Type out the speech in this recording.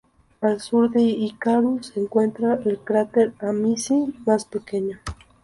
Al sur de Icarus se encuentra el cráter Amici, más pequeño.